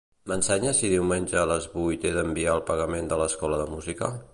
M'ensenyes si diumenge a les vuit he d'enviar el pagament de l'escola de música?